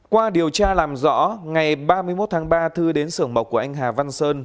qua điều tra làm rõ ngày ba mươi một tháng ba thư đến sưởng mộc của anh hà văn sơn